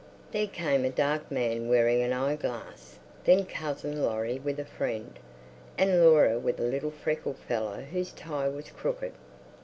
There came a dark man wearing an eyeglass, then cousin Laurie with a friend, and Laura with a little freckled fellow whose tie was crooked.